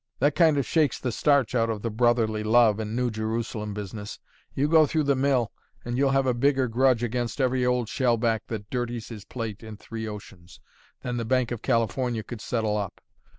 That kind of shakes the starch out of the brotherly love and New Jerusalem business. You go through the mill, and you'll have a bigger grudge against every old shellback that dirties his plate in the three oceans, than the Bank of California could settle up.